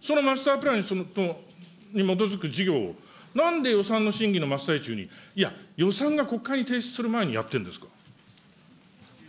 そのマスタープランに基づく事業をなんで予算の審議の真っ最中に、いや、予算が国会に提出する前にやってるんですから。